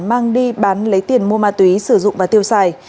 mang đi bán lấy tiền mua ma túy sử dụng và tiêu xài